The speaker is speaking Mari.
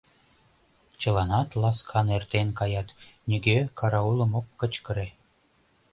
Чыланат ласкан эртен каят, нигӧ караулым ок кычкыре.